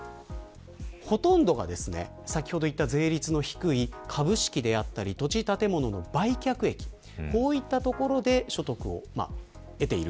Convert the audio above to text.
ほとんどが先ほどいった税率の低い株式や土地・建物の売却益こういったところで所得を得ている。